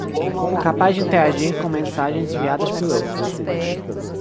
capaz de interagir com mensagens enviadas por outros